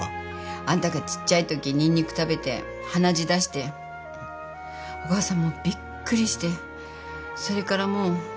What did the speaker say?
あんたがちっちゃいときニンニク食べて鼻血出してお母さんもうびっくりしてそれからもう怖くて入れてない。